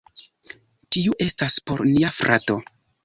Tiu estas por nia frato